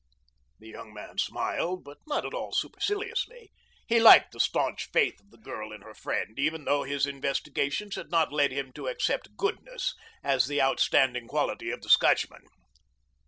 The young man smiled, but not at all superciliously. He liked the stanch faith of the girl in her friend, even though his investigations had not led him to accept goodness as the outstanding quality of the Scotchman.